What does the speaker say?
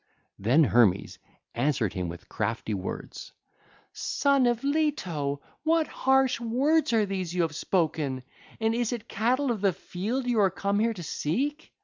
2521 (ll. 260 277) Then Hermes answered him with crafty words: 'Son of Leto, what harsh words are these you have spoken? And is it cattle of the field you are come here to seek?